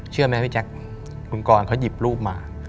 เชื่อไหมพี่แจ๊คคุณกรเขาหยิบรูปมา